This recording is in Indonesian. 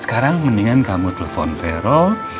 sekarang mendingan kamu telepon vero